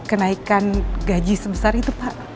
kenaikan gaji sebesar itu pak